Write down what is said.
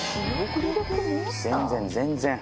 全然全然！